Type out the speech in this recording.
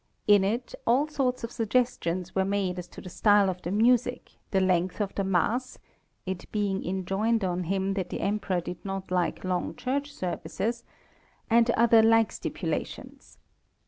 In it, all sorts of suggestions are made as to the style of the music, the length of the mass (it being enjoined on him that the Emperor did not like long church services) and other like stipulations.